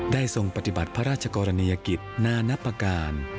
ได้ทรงปฏิบัติพระราชกรณียกิจณนปการ